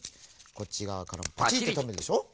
こっちがわからもパチッととめるでしょ。